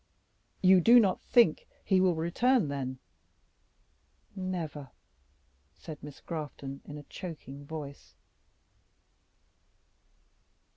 "You do not think he will return, then?" "Never," said Miss Grafton, in a choking voice.